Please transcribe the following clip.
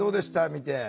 見て。